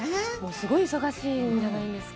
すごくお忙しいんじゃないですか。